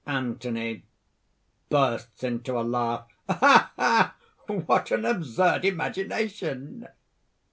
ANTHONY (bursts into a laugh). "Ah! ah! what an absurd imagination!"